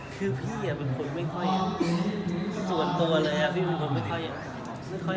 คือพี่เป็นคนไม่ค่อยส่วนตัวเลยครับพี่เป็นคนไม่ค่อย